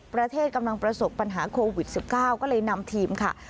กำลังประสบปัญหาโควิด๑๙ก็เลยนำทีมค่ะ